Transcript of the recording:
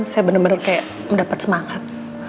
saya benar benar kayak mendapat semangat